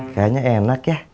kayaknya enak ya